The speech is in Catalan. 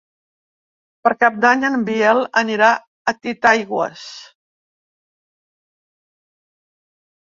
Per Cap d'Any en Biel anirà a Titaigües.